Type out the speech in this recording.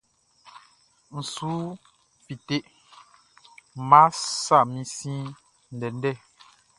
N su fite, Nʼma sa min sin ndɛndɛ.